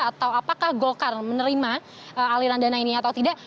atau apakah golkar menerima aliran dana ini atau tidak